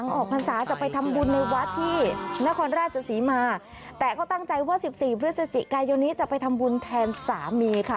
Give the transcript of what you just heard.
ในวัดที่นครราชศรีมาแต่เขาตั้งใจว่าสิบสี่พฤศจิกายนี้จะไปทำบุญแทนสามีค่ะ